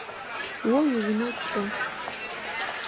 О уиунэ кӏэ.